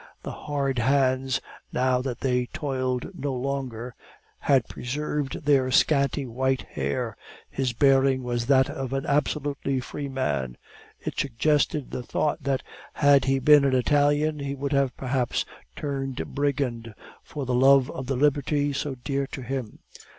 The hard hands, now that they toiled no longer, had preserved their scanty white hair, his bearing was that of an absolutely free man; it suggested the thought that, had he been an Italian, he would have perhaps turned brigand, for the love of the liberty so dear to him.